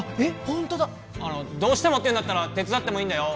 ホントだどうしてもっていうんだったら手伝ってもいいんだよ